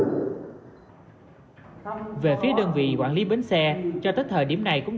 về phía đơn vị quản lý bến xe cho tới thời điểm này cũng